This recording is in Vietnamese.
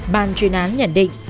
bàn truyền án nhận định